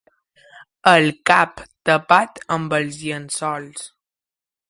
El cap tapat amb els llençols